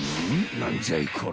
何じゃいこれ］